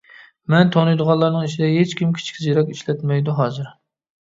مەن تونۇيدىغانلارنىڭ ئىچىدە ھېچكىم كىچىك زېرەك ئىشلەتمەيدۇ ھازىر.